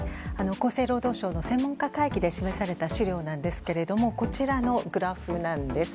厚生労働省の専門家会議で示された資料なんですがこちらのグラフです。